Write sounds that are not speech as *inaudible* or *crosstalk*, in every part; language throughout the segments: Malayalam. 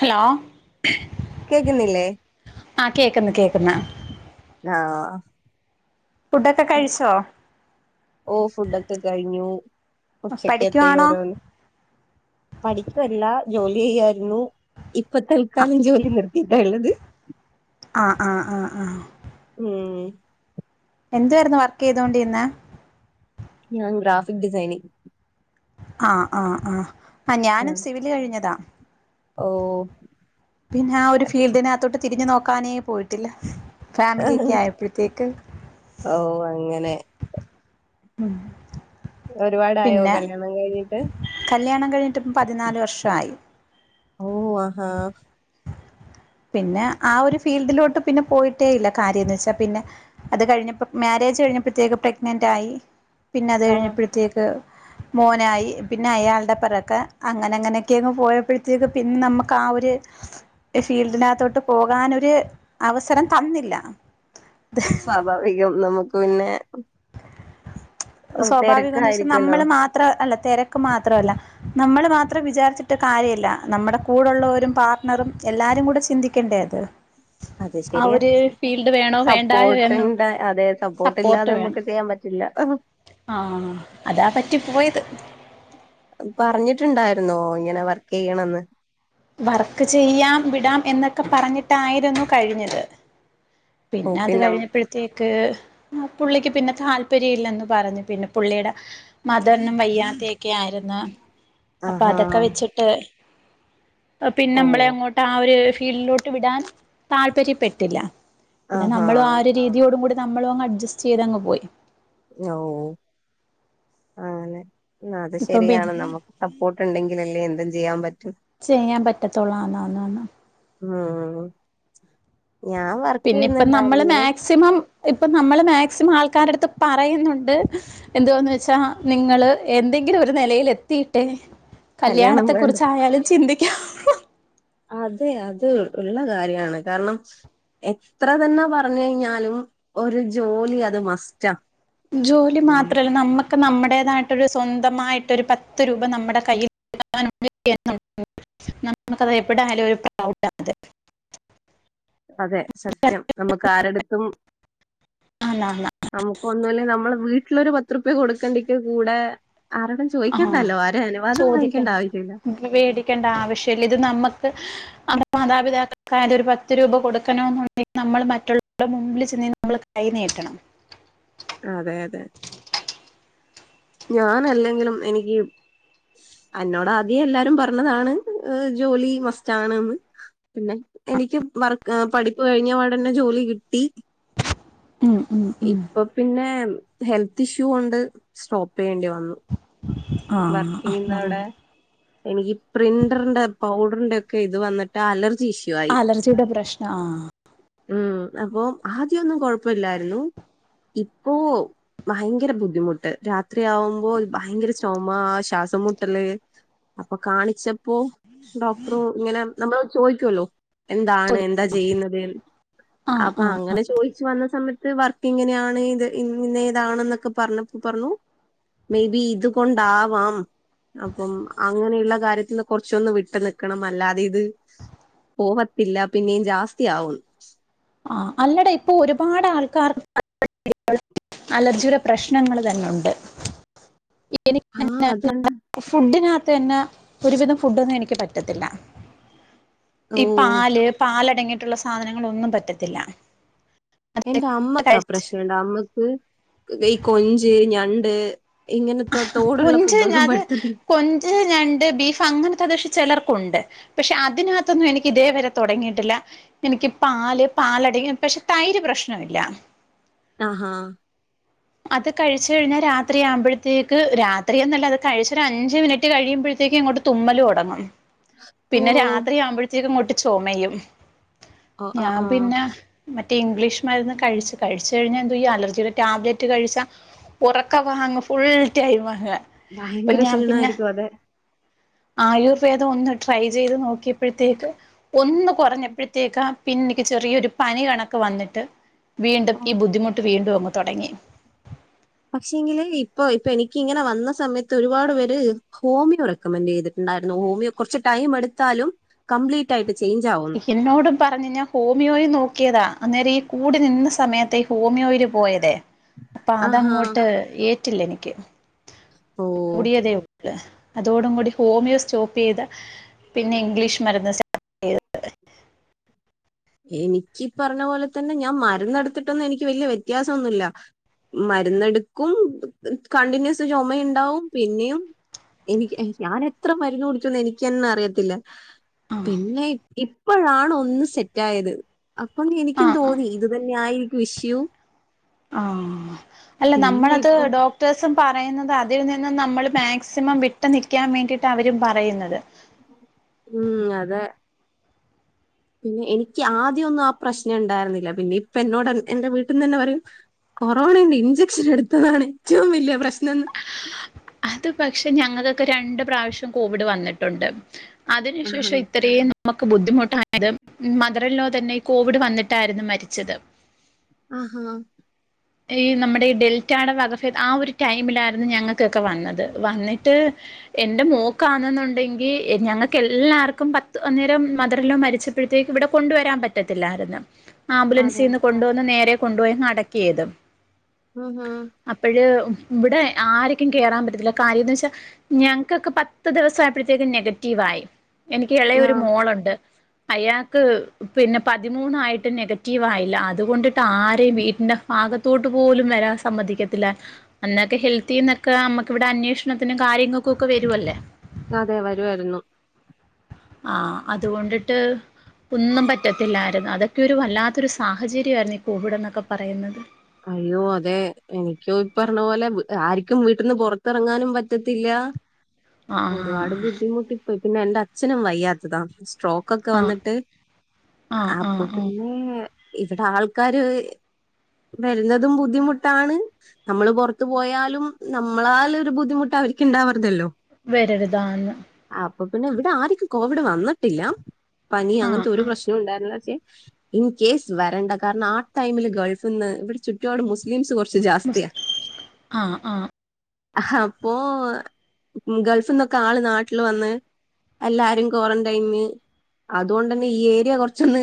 ഹലോ കേക്കുന്നില്ലേ ആ കേക്ക്ന്ന് കേക്ക്ന്ന് ആഹ് ഫുഡ് ഒക്കെ കഴിച്ചോ ഓ ഫുഡൊക്കെ കഴിഞ്ഞു ഉച്ചക്കേത്തേ പഠിക്കുവാണോ ഓരോന്ന് പഠിക്കുവല്ല ജോലി ചെയ്യായിരുന്നു ഇപ്പ തൽക്കാലം ജോലി നിർത്തിയിട്ടാ ഉള്ളത് ആ ആ ആ ആഹ് ഉം എന്തായിരുന്നു വർക്ക് ചെയ്തോണ്ടിരുന്നെ ഞാൻ ഗ്രാഫിക് ഡിസൈനിങ് ആ ആഹ് ആഹ് ആ ഞാനും സിവില് കഴിഞ്ഞതാ ഓ പിന്നെ ആ ഒരു ഫീൽഡിനകത്തോട്ട് തിരിഞ്ഞു നോക്കാനേ പോയിട്ടില്ല ഫാമിലി ഒക്കെ ആയപ്പോഴത്തേക്ക് ഓ അങ്ങനെ ഉം ഒരുപാടായോ കല്യാണം കഴിഞ്ഞിട്ട് കഴിഞ്ഞിട്ടിപ്പോ പതിനാല് വർഷായി ഓ ആഹാ പിന്നെ ആ ഒരു ഫീൽഡിലോട്ട് പിന്നെ പോയിട്ടേ ഇല്ല കാര്യംന്ന് വെച്ചാ പിന്നെ അത് കഴിഞ്ഞപ്പോ മ്യാരേ ഏജ് കഴിഞ്ഞപ്പോഴത്തേക്ക് പ്രെഗ്നന്റ് ആയി പിന്നെ അത് ആഹ് കഴിഞ്ഞപ്പോഴത്തേക്ക് മോനായി പിന്നെ അയാളുടെ പിറക്കെ അങ്ങനെ അങ്ങനെയക്കെയങ്ങ് പോയപ്പോഴത്തേക്ക് പിന്നെ നമുക്ക് ആ ആ ഒരു ഫീൽഡിനകത്തോട്ട് പോകനൊരു അവസരം തന്നില്ല സ്വാഭാവികം നമുക്ക് പിന്നെ സ്വാഭാവികംന്ന് വെച്ചാ തിരക്കായിരിക്കുവല്ലോ നമ്മള് മാത്ര അല്ല തിരക്ക് മാത്രവല്ല നമ്മൾ മാത്രം വിചാരിച്ചിട്ട് കാര്യയില്ല നമ്മുടെ കൂടൊള്ളവരും പാർട്ട്ണറും എല്ലാരും കൂടെ ചിന്തിക്കേണ്ടേ അത് അത് ആ ശരിയ ഒരു ഫീൽഡ് വേണോ വേണ്ടായോ എന്ന് സപ്പോർട്ടുണ്ട് അതെ സപ്പോർട്ട് ഇല്ലാതെ നമുക്ക് ചെയ്യാൻ പറ്റ് ഇല്ല ആ അതാ പറ്റി പോയത് പറഞ്ഞിട്ടുണ്ടായിരുന്നോ ഇങ്ങനെ വർക്ക് ചെയ്യണംന്ന് വർക്ക് ചെയ്യാം വിടാം എന്നൊക്കെ പറഞ്ഞിട്ടായിരുന്നു കഴിഞ്ഞത് പിന്നെ അത് കഴിഞ്ഞപ്പോഴത്തേ ക്ക് പുള്ളിക്ക് പിന്നെ താല്പര്യം ഇല്ലന്ന് പറഞ്ഞു പിന്നെ പുള്ളിയുടെ മദറിനും വയ്യ തൊക്കൊയിരുന്നു അപ്പൊ ആഹാ അതൊക്കെ വെച്ചിട്ട് പിന്നെ ഓ നമ്മളെ അങ്ങോട്ട് ആ ഒരു ഫീൽഡിലോട്ട് വിടാൻ താല്പര്യപ്പെട്ടില്ല പിന്നെ ആഹാ നമ്മള ആ ഒരു രീതിയോടും കൂടി നമ്മള അങ്ങ് അഡ്ജസ്റ്റ് ചെയ്തങ് പോയി ഓ അനെ അത് ഇപ്പം പിന്നെ ശരിയാണ് നമുക്ക് സപ്പോർട്ട് ഉണ്ടെങ്കില അല്ലേ എന്തും ചെയ്യാൻ പറ്റ ചെയ്യാൻ പറ്റത്തുള്ളൂന്നാന്നന്ന ശ പിന്നെ ഇപ്പ നമ്മള് മാക്സിമം ഇപ്പ നമ്മള് മാക് ക്സിമം ആൾക്കാരു അടുത്ത് പറയുന്നുണ്ട് എന്തവാന്ന് വെച്ചാ നിങ്ങള് എന്തെങ്കിലും ഒരു നിലൽെ തീട്ടെ കല്യാണം കല്യാണത്തെ വേണ്ട കുറിച്ച ആായാലും ചിന്തിക്കാം അതെ അത് ഉള്ള കാര്യാണ് കാരണം എത്ര തന്നെ പറഞ്ഞു കഴിഞ്ഞാലും ഒരു ജോലി അത് മസ്റ്റാ ജോലി നം- മാത്രല്ല നമ്മക്ക് ഒക്കെ നമ്മുടേതായിട്ടൊരു സ്വന്തമായിട്ടൊരു പത്ത് രൂപ നമ്മുടെ കയ്യിൽാന നമുക്കത് എപ്പോടാലും ഒരു പ്രൗട്ടാതെ അതെ സത്യം നമുക്ക് ആരുടുത്തും ആന്നാന്ന് നമുക്ക് ഒന്നല്ല നമ്മള് വീട്ടിലൊരു പത്ത്റുപ്യ കൊടുക്കേണ്ടിക്ക് കൂടെ ആരോടും ആഹ ചോദിക്കണ്ടല്ലോ ആരെ അനുവാദം വാങ്ങിക്കേണ്ട ചോദിക്കണ്ട ആവശ്യമില്ല മേടിക്കണ്ട ആവശ്യല്ല ഇത് നമ്മക്ക് മാതാപിതാക്കൾക്ക്ായ ഒരു പത്ത് രൂപ കൊടുക്കണണ്ടെങ്കിൽ നമ്മൾ മറ്റുള്ളവരുടെ മുമ്പിൽ നമ്മൾ കൈ നട്ടണം അതെ അതെ ഞൻ അല്ലെങ്കിലും എനിക്ക് എന്നോടാദ്യം എല്ലാരും പറഞ്ഞതാണ് ജോലി മസ്റ്റ് ആാണ്ന്ന് പിന്നെ എനിക്ക് വർക്ക് പഠിപ്പ് കഴിഞ്ഞ അവിടെന്നെ ജോലി കിട്ടി ഉ ഇപ്പൊ പിന്നെ ഹെൽത്ത് ഇഷ്യൂ ഉണ്ട് സോ വേണ്ടി വന്നു വർക്ക് ആഹ് ചെയ്യുന്ന ആഹ് അവിടെ എനിക്ക് പ്രിന്ററിന്റെ പൗ ഡറിന്റെ ക്കെ ഇത് വന്നിട്ട് അലർജി ഇഷ്യു ആയി അലർജിയുടെ പ്രശ്നം ആഹ് ഉ അപ്പൊ ആദ്യൊന്നും കൊഴപ്പില്ലായിരുന്നു ഇപ്പോൊ ഭയങ്കര ബുദ്ധിമുട്ട് രാത്രിയാവുമ്പോ ഭയങ്കര ചുമ ശ്വാസം മുട്ടല് അപ്പൊ കാണിച്ചപ്പോ ഡോക്ടറ ഇങ്ങനെ നമ്മൾ ചോദിക്കല്ലോ എന്താണ് എന്താ ചെയ്യുന്നത് ആഹ് അപ്പൊ ആഹ് അങ്ങനെ ചോദിച്ചു വന്ന സമയത്ത് വർക്ക് ഇങ്ങനെയാണ് ഇത് ഇന്ന ഇതാാണ് എന്നൊക്കെ പറഞ്ഞ പറഞ്ഞു മേബി ഇത് കൊണ്ടവാം അപ്പം അങ്ങനെയുള്ള കാര്യത്തിന്ന് കൊറച്ചൊന്ന് വിട്ടു നിിക്കണം അല്ലാതെ ഇത് പോവത്തില്ല പിന്നേും ജാസ്തിയാവുംും ആ അല്ലടാ ഇപ്പൊ ഒരുപാട് ആൾക്കാർ അലജുര പ്രശ്നങ്ങള് തന്നെയുണ്ട് എ ആ അതെന്താ *unintelligible* ഫുഡ ന്നെ ഒരുവിധം ഫുഡൊന്നും എനിക്ക് പറ്റത്തില്ല ഓ ഈ പാല് പ്പാല തുടങ്ങിയിട്ടുള്ള സാധനങ്ങൾ ഒന്നും പറ്റത്തില്ല അത് എന്റെ അമ്മക്കാ കഴിച്ച് പ്രശ്നണ്ട് അമ്മക്ക് ഈ കൊഞ്ച് ഞണ്ട് ഇങ്ങനെ തോടുള്ള ഫുഡ കൊഞ്ച് ഒന്നും അത് പറ്റത്തില്ല കൊഞ്ച് ഞണ്ട് ബീഫ് അങ്ങനത്തെത്ക്ഷം ചിലർക്കുണ്ട് പക്ഷെ അതിനകത്തൊന്നും എനിക്ക് ഇതേ വരെ തുടങ്ങിയിട്ടില്ല എനിക്ക് പാല് പാലട പക്ഷെ തൈര് പ്രശ്നമില്ല ആഹ്ഹാ അത്, കഴിച്ചു കഴിഞ്ഞാ, രാത്രി, ആകുമ്പോഴത്തേക്ക് രാത്രിയന്നല്ല, അത്, കഴിച്ചരു, അഞ്ച്, മിനിറ്റ്, കഴിയുമ്പഴത്ത ഇങ്ങോട്ട്, തുമ്മലടങ്ങ, ഓ പിന്നെ, രാത്രി ആവുമ്പോഴത്തേക്കും ഇങ്ങോട്ട് ചൊമയും, ആ ആ ഞാൻ, ആ പിന്നെ ഇംഗ്ലീഷ് മര്ന്ന് കഴിച്ച് കഴിച്ചഴിഞ്ഞാൽ എന്തുവാ ഈ അലർജിയുടെ ടാബ്ലറ്റ് റ്റ് കഴിച്ചാ ഉറക്കവാ അങ്ങ് ഫുൾ ടൈമങ്ങ്. ഭയങ്കര ക്ഷീണായിരിക്കു, അതെ. ആയുർവേദൊന്ന് ട്രൈ ചെയ്ത് നോക്കിയപ്പഴത്തേക്ക് ഒന്ന് കൊറഞ്ഞപ്പഴത്തേക്കാ പിന്നെ എനിക്ക് ചെറിയൊരു പനി കണക്ക് വന്നിട്ട് വീണ്ടും ആഹ് ഈ ബുദ്ധിമുട്ട് വീണ്ടു അങ്ങ് തൊടങ്ങി. പക്ഷെങ്കില് ഇപ്പൊ ഇപ്പൊ എനിക്കിങ്ങനെ വന്ന സമയത്ത് ഒരുപാട് പേര് ഹോമിയോ റെക്കമെന്റ് ചെയ്തിട്ട് ണ്ടായിര്ന്ന്. ഹോമിയോ കൊറച്ച് ടൈമെട്ത്താലും കംപ്ലീറ്റായിട്ട് എന്നോടും പറഞ്ഞ്. ഞാൻ ഹോമിയോയും നോക്കിയതാ. അന്നേരം ഈ കൂടി നിന്ന സമയത്താ ഈ ഹോമിയോല് പോയതെ. അപ്പൊ ആഹാ അതങ്ങോട്ട് ഏ റ്റില്ലെനിക്ക്. ഓഹ് അതോടും കൂടി ഹോമിയോ സ്റ്റോപ്പ് ചെയ്ത് പിന്നെ ഇംഗ്ലീഷ് മര്ന്ന് സ്റ്റാ *unintelligible* എനിക്കീ പറഞ്ഞ പോലെ തന്നെ ഞാൻ മര്ന്നെട്ത്തിട്ടൊന്നു എനിക്ക് വല്യ വ്യത്യാസൊന്നുല്ല. മര്ന്നെടുക്കും കണ്ടിന്യൂസ് ചൊമയ്ണ്ടാവും പിന്നെയും എനിക്ക് എനിക്ക് ഞാനെത്ര മരുന്ന് കുടിച്ചുന്ന് എനിക്കന്നെ അറിയത്തില്ല. പിന്നെ ഇപ്പഴാണ് ഒന്ന് സെറ്റായത്. അപ്പം ആ ആ എനിക്കും ആ തോന്നി ഇത് തന്നെ ആയിരിക്കും ഇഷ്യു. ആഹ് അല്ല നമ്മളത് ഇപ്പം ഡോക്ടേഴ്സും പറയ്ന്നത് അതിൽ നിന്നും നമ്മള് മാക്സിമം വിട്ട് നിൽക്കാൻ വേണ്ടിയിട്ടാ അവരും പറയുന്നത്. ഉം അതെ. പിന്നെ എനിക്ക് ആദ്യൊന്നും ആ പ്രശ്നണ്ടായിര്ന്നില്ല. പിന്നെ ഇപ്പെന്നോട് എന്റെ വീട്ടിന്നന്നെ പറയും കൊറോണന്റെ ഇഞ്ചക്ഷൻ എട്ത്തതാണ് ഏറ്റവും വലിയ പ്രശ്നംന്ന്. അത് പക്ഷെ ഞങ്ങക്കൊക്കെ രണ്ട് പ്രാവശ്യം കോവിഡ് വന്നിട്ടുണ്ട്. ആഹാ അതിന്ശേഷം ഇത്രയും നമക്ക് ബുദ്ധിമുട്ടായത് മദർ ഇൻ ലോ തന്നെ കോവിഡ് വന്നിട്ടായിരുന്നു മരിച്ചത്. ആഹാ ഈ നമ്മടെ ഈ ഡെൽറ്റായുടെ വകഫേദം. ആ ഒരു ടൈമിലായിരുന്നു ഞങ്ങക്കൊക്കെ വന്നത്. വന്നിട്ട് എന്റെ മോക്കാന്നെന്നുണ്ടെങ്കി ഞങ്ങക്കെല്ലാർക്കും പത്ത് അന്നേരം മദർ ഇൻ ലോ മരിച്ചപ്പഴത്തേക്ക് ഇവിടെ കൊണ്ട് വരാൻ പറ്റത്തില്ലാര്ന്ന്. അതെ ആംബുലൻസീന്ന് കൊണ്ട് വന്ന് നേരെ കൊണ്ടുപോയങ്ങ് അടക്കിയതും. ഉം ഉം അപ്പഴ് ഇവിടെ ആര്ക്കും കേറാൻ പറ്റത്തില്ല കാര്യംന്ന് വെച്ചാ ഞങ്ങക്കൊക്കെ പത്ത് ദിവസം ആയപ്പഴത്തേക്ക് നെഗറ്റീവ് ആയി. എനിക്ക് എളയ ആ ഒരു മോളുണ്ട്. അയാക്ക് പിന്നെ പതിമൂന്നായിട്ട് നെഗറ്റീവായി ല്ല. അതുകൊണ്ടിട്ട് ആരെയും വീട്ടിന്റെ ഫാഗത്തോട്ട് പോലും വരാൻ സമ്മതിക്കത്തില്ല. അന്നൊക്കെ ഹെൽപ് ത്തീന്നൊക്കെ നമ്മക്കിവിടെ അന്വേഷണത്തിനും കാര്യങ്ങക്കു ഒക്കെ വരുവല്ലേ. അതെ വരുവായിരുന്നു. ആഹ് അത്കൊണ്ടിട്ട് ഒന്നും പറ്റത്തില്ലായിരുന്നു. അതൊക്കെയൊരു വല്ലാത്തൊരു സാഹചര്യവായിരുന്നു ഈ കോവിഡ് എന്നൊക്കെ പറയുന്നത്. അയ്യോ അതെ. എനിക്കോ ഇപ്പറഞ്ഞ പോലെ ആരിക്കും വീട്ട്ന്ന് പൊറത്തിറങ്ങാനും പറ്റത്തില്ലാ ഒരുപാട് ആഹ് ബുദ്ധിമുട്ടിപ്പോയി. പിന്നെ എന്റച്ഛനും വയ്യാത്തതാ. സ്ട്രോക്കൊക്കെ ആഹ് വന്നിട്ട്. ആഹ് അപ്പൊ ആഹ് ആഹ് പിന്നേ ഇവിടെ ആൾക്കാര് വര്ന്നതും ബുദ്ധിമുട്ടാണ്. നമ്മള് പൊറത്ത് പോയാലും നമ്മളാലൊരു ബുദ്ധിമുട്ട് അവരിക്ക് ഇണ്ടാവറ്തല്ലോ? വേറൊരുതാന്ന് അപ്പൊ പിന്നെ ഇവിടെ ആർക്കും കോവിഡ് വന്നിട്ടില്ല. പനി ആഹ് അങ്ങൻത്തെ ഒരു ആഹ് പ്രശ്നോം ഇണ്ടായിര്ന്നില്ല പക്ഷെ ഇൻ കേസ് വരണ്ട കാരണം ആ ടൈമില് ഗൾഫ്ന്ന് ഇവിടെ ചുറ്റ്പാട് മുസ്ലിംസ് കുറച്ച് ജാസ്തിയാ മുസ് ആഹ് ആഹ് അപ്പോ ഗൾഫ്ന്നൊക്കെ ആള് നാട്ടില് വന്ന് എല്ലാരും ക്വാറന്റൈന് അതുകൊണ്ട തന്നെ ഈ ഏരിയ കുറച്ചൊന്ന്.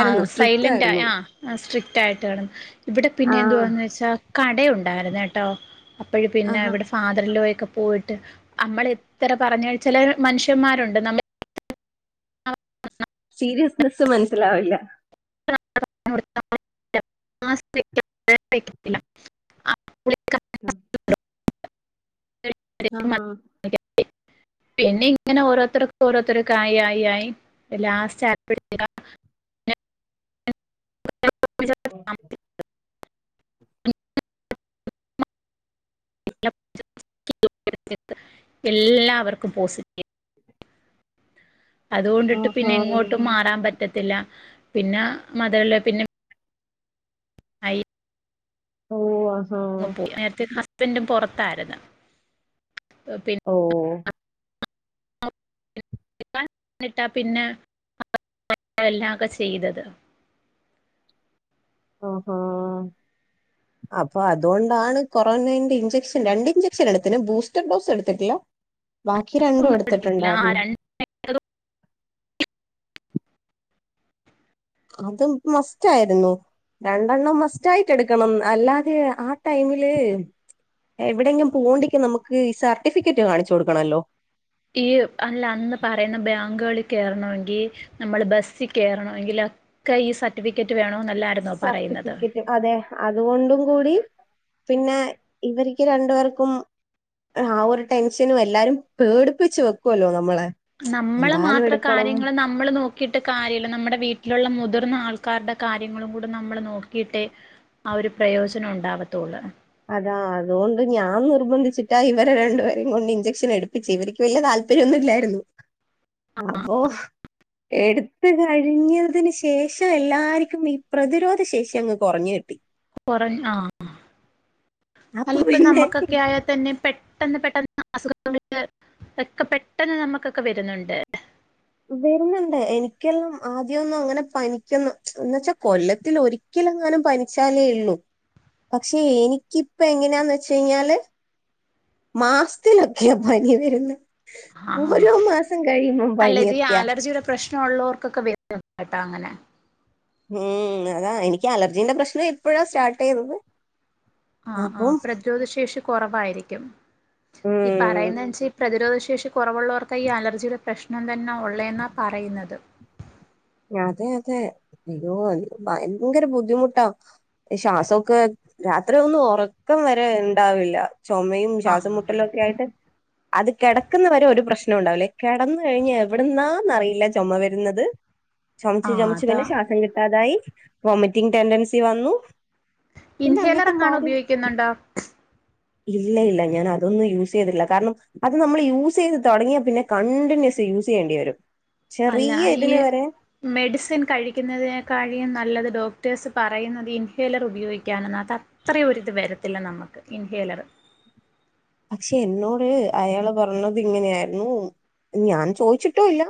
ആ സ്ട്രിക്റ്റ് സൈലന്റ് ആയിരുന്നു ആ സ്ട്രിക്..... ട്ടായിട്ട് കാണുന്നു ഇവിടെ പിന്നെ ആ എന്തുവാന്ന് വെച്ചാ കടണ്ടായിരുന്ട്ടോ. അപ്പഴ് പിന്നെ ആഹാ ഇവിടെ ഫാദറിൻലോയൊക്കെ..... പോയിട്ട് മ്മൾ എത്ര പറഞ്ഞ ചില മനുഷ്യന്മാരുണ്ട് നമ്മൾ സീരിയസ്നെസ്സ് മനസ്സിലാവില്ല. *unintelligible* ആ ഉ ആഹാ. പിന്നെ ഇങ്ങനെ ഓരോരുത്തർക്ക് ഓരോരുത്തർക്കായി ആയി ആയി ലാസ്റ്റ് *unintelligible* *unintelligible* ഓ *unintelligible* *unintelligible* എല്ലാവർക്കും പോസിറ്റീവ്. അതുകൊണ്ടിട്ട് പിന്നെ ആഹാ എങ്ങോട്ടും മാറാൻ പറ്റത്തില്ല പിന്നെ മതല്ല പിന്നെ അയ് ഓ ആഹാ അങ്ങ് പോയി നേരത്തെ ഹസ്ബൻറും പൊറത്തായിര്ന്ന്. ഓ *unintelligible* ട്ടാ പിന്നെ അല്ലാകെ ചെയ്തത്. ആഹാ അപ്പൊ അതുകൊണ്ടാണ് കൊറോണന്റെ ഇഞ്ചക്ഷൻ രണ്ട് ഇഞ്ചക്ഷൻ എടുത്തിന് ബൂസ്റ്റർ ഡോസ് എടുത്തിട്ടില്ല, ബാക്കി രണ്ടും ഒന്നും എടുത്തില്ല ആ എടുത്തിട്ടുണ്ടായിരുന്നു. രണ്ട് അത് മസ്റ്റ് ആയിരുന്നു. രണ്ടെണ്ണം മസ്റ്റ് ആയിട്ട എടുക്കണം അല്ലാതെ ആ ടൈമില് എവിടെെങ്കിലും പോണ്ടിങ്കും നമുക്ക് ഈ സർട്ടിഫിക്കറ്റ് കാണിച്ചു കൊടുക്കണല്ലോ. ഈ അല്ല അന്ന് പറയുന്ന ബാങ്കുകളിൽ കയറണമെങ്കിൽ നമ്മള് ബസ്സിൽ കയറണമെങ്കിൽ.... ഒക്കെ ഈ സർട്ടിഫിക്കറ്റ് വേണോ സർട്ടിഫിക്കറ്റ് അതെ. അതുകൊണ്ടും കൂടി പിന്നെ ഇവർക്ക് രണ്ടുപേർക്കും ആ ഒരു ടെൻഷനും എല്ലാരും പേടിപ്പിച്ച് വെക്കുവല്ലോ നമ്മളെ. നമ്മള് എന്തായാലും മാത്ര എടുക്കണം കാര്യങ്ങള് നമ്മള് നോക്കിട്ട് കാര്യല്ല നമ്മുടെ വീട്ടിലുള്ള മു മുതിർന്ന ആൾക്കാരുടെ കാര്യങ്ങളും കൂടെ നമ്മൾ നോക്കിയിട്ടേ ആ ഒരു പ്രയോജനം ഉണ്ടാവത്തുള്ളൂ. അതാ അതുകൊണ്ട് ഞാൻ നിർബന്ധിച്ചിട്ടാ ഇവരെ രണ്ടുപേരും കൊണ്ട് ഇഞ്ചെക്ഷൻ എടുപ്പിച്ച് ഇവർക്ക് വല്യ താൽ...... താല്പര്യൊന്നുല്ലായിരുന്ന് അപ്പൊ എടുത്ത കഴിഞ്ഞതിന് ശേഷം എല്ലാർക്കും ഈ പ്രതിരോധ ശേഷി അങ്ങ് കുറഞ്ഞ് കിട്ടി. കുറഞ്ഞ ആ അപ്പൊ അല്ലപ്പ പിന്നെ നമുക്കൊക്കെ ആയാൽ തന്നെ പെ പെട്ടെന്ന് പെട്ടെന്ന് അസുഖങ്ങളൊക്കെ പെട്ടെന്ന് നമ്മുക്കൊക്കെ വരുന്നുണ്ട്. വരുന്നുണ്ട് എനിക്കെല്ലാം ആദ്യൊന്നും അങ്ങനെ പനിക്കന്ന് എന്ന്വെച്ചാ കൊല്ലത്തി ഒരിക്കല ങ്ങാനും പനിച്ചാലേ ഉള്ളൂ പക്ഷെ എനിക്കിപ്പങ്ങനെയാന്ന് വെച്ച കഴിഞ്ഞാല് മാസത്തിലൊക്കെയാ പനി വരന്ന് ആഹ് ഓരോ മാസം കഴിയുമ്പം പനിയൊക്കെയ. പ്രശ്നള്ളവർക്കൊക്കെ വ കേട്ടാ അങ്ങനെ. ഉം അതാ എനിക്ക് അലർജിന്റെ. പ്രശ്നം ഇപ്പഴാ സ്റ്റാർട്ട് യ്തത് ആ ആ പ്രതിരോധ ശേഷി കുറവായിരിക്കും ഈ ഉം പറയുന്നെച്ചാ പ്രതിരോധ ശേ ശേഷി കുറവുള്ളവർക്കായി ഈ അലർജിയുടെ പ്രശ്നം തന്നെ ഉള്ളേന്നാ പറയുന്നത് അതെ അതെ അയ്യോ ഭയങ്കര ബുദ്ധിമുട്ടാ ശ്വാസമൊക്കെ രാത്രി ഒന്നും ഉറക്കം വരെ ഇണ്ടാവില്ല ചുമയും ആഹ് ശ്വാസം മുട്ടലും ഒക്കെ ആയിട്ട് അത് കിടക്കുന്ന വരെ ഒരു പ്രശ് പ്രശ്നം ഒണ്ടാവില്ലേ കെടന്നു കഴിഞ്ഞാ എവിടുന്നാന്ന് അറിയില്ല ചൊമ വരുന്നത് ചൊമച്ചു ആഹ് ചൊമച്ചു അതാ പിന്നെ ശ്വാസം കിട്ടാതായി വൊമിറ്റിംഗ് ടെൻഡൻസി വന്നു പിന്നെ ഇൻഹേലർ അന്നത്തെ എങ്ങാണം കാര്യം ഉപയോഗിക്കുന്നുണ്ടോ ഇല്ല ഇല്ല ഞാൻ അതൊന്നും യൂസ് ചെയ്തില്ല കാരണം അത് നമ്മള് യൂസ് ചെയ്ത് തൊടങ്ങിയാ പിന്നെ കണ്ടിന്യൂസ്- യൂസ് ചെയ്യേണ്ടി വരും അല്ല ചെറിയ ഈ ഇതിന് വരെ മെഡിസിൻ കഴിക്കുന്നതിനേക്കാഴിലും നല്ലത് ഡോക്ടേഴ്സ് പറയുന്നത് ഇൻഹേലർ ഉപയോഗിക്കാനെന്നാ അത് അത്രയും ഒരിത് വരത്തില്ല നമുക്ക് ഇൻഹേലർ പക്ഷെ എന്നോട് അയാള് പറഞ്ഞത് ഇങ്ങനെയാരുന്നു. ഞാൻ ചോയിച്ചിട്ടും ഇല്ല.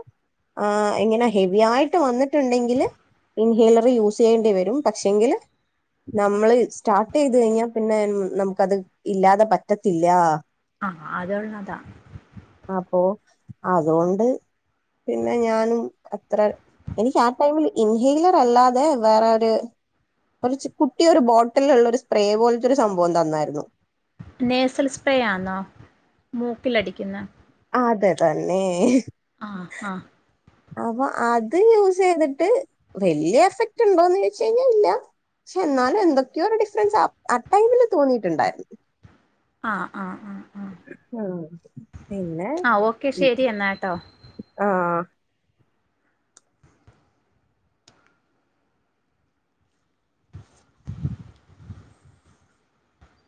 ആഹ് ഇങ്ങനെ ഹെവി ആയിട്ട് വന്നിട്ടുണ്ടെങ്കില്- ഇൻഹേലർ യൂസ് ചെയ്യേണ്ടി വരും പക്ഷേങ്കില് നമ്മളെ സ്റ്റാർട്ട് ചെയ്തു കഴിഞ്ഞാ പിന്നെ നമുക്കത് ഇല്ലാതെ പറ്റത്തില്ലാ ആഹ് അതുള്ളതാ അപ്പോ അതുകൊണ്ട് പിന്നെ ഞാൻ അത്രേ എനിക്ക് ആ ടൈമിൽ ഇൻഹെയിലർ അല്ലാതെ വേറെ ഒരു കുറച്ച് കുട്ടിയൊരു ബോട്ടിലിനുള്ള ഒരു സ്പ്രേ പോലത്തൊരു സംഭവം തന്നാരുന്നു നേസൽ സ്പ്രേയാന്നോ മൂക്കിലടിക്കുന്ന അത് തന്നേ ആഹ് ആഹ് അപ്പൊ അത് യൂസ് ചെയ്തിട്ട് വലിയ എഫക്റ്റ് ഉണ്ടോന്ന് ചോയിച്ച് കഴിഞ്ഞാ ഇല്ല പക്ഷെ എന്നാലും എന്തൊക്കെയോ ഒരു ഡിഫറൻസ് ആ ടൈമില് തോന്നിയിട്ടുണ്ടാരുന്നു ആഹ് ഉം പിന്നെ ആ ഓക്കെ ശരി എന്നാ കേട്ടോ ആഹ്